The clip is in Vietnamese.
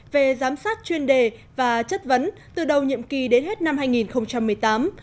về giám sát chuyên đề và chất vấn từ đầu nhiệm kỳ đến hết năm hai nghìn một mươi tám